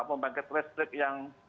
pembangkit listrik yang